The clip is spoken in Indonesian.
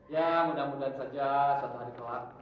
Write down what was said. ya mudah mudahan saja suatu hari kelak